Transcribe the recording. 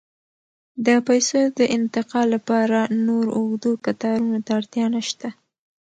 د پیسو د انتقال لپاره نور اوږدو کتارونو ته اړتیا نشته.